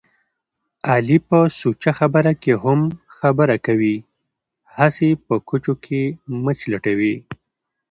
علي په سوچه خبره کې هم خبره کوي. هسې په کوچو کې مچ لټوي.